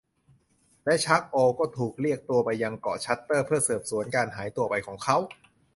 และชัค โอล ถูกเรียกตัวมายังเกาะชัตเตอร์เพื่อสืบสวนการหายตัวไปของเขา